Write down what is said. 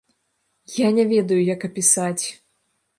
Я не ведаю, як апісаць.